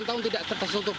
empat desa nih yang susah